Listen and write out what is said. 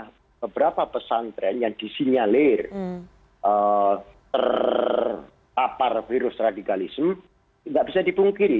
ya kalau soal ada beberapa pesantren yang disinyalir terapar virus radikalisme tidak bisa dipungkiri